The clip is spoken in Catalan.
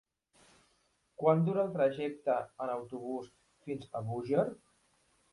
Quant dura el trajecte en autobús fins a Búger?